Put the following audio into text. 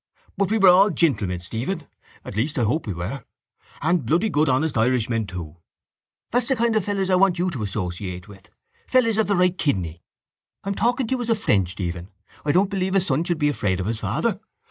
But we were all gentlemen, Stephen—at least I hope we were—and bloody good honest Irishmen too. That's the kind of fellows I want you to associate with, fellows of the right kidney. I'm talking to you as a friend, Stephen. I don't believe a son should be afraid of his father.